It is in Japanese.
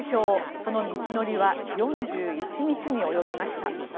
その道のりは４１日に及びました。